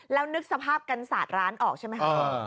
แล้วนึกสภาพกันศาสตร์ร้านออกใช่ไหมคะ